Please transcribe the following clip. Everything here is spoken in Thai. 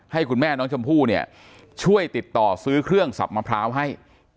ให้คุณแม่น้องชมพู่เนี่ยช่วยติดต่อซื้อเครื่องสับมะพร้าวให้